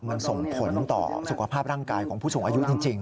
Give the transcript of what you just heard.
มันส่งผลต่อสุขภาพร่างกายของผู้สูงอายุจริง